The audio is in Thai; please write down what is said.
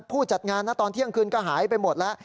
ผู้จัดงานนะตอนเที่ยงคืนก็หายไปหมดแล้ว